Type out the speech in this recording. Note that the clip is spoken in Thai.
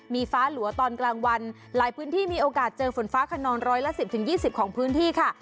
มีฟ้าหลัวตอนกลางวันหลายพื้นที่มีโอกาสเจอฝนฟ้าขนองร้อยละ๑๐๒๐ของพื้นที่ค่ะ